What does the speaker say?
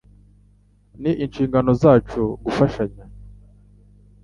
Ni inshingano zacu gufashanya.